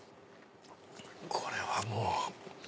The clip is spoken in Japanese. これはもう。